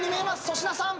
粗品さん。